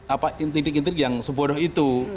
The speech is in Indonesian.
apa intitik intik yang sebodoh itu